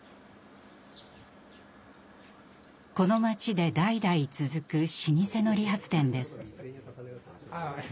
この町で代々続く老舗の理髪店です。